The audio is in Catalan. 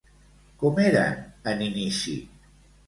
Com eren en inici?